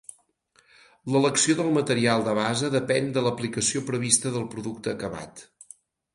L'elecció del material de base depèn de l'aplicació prevista del producte acabat.